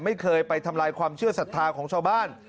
ไม่เคยไปทำลายความเชื่อศรัทธาของชาวบ้าน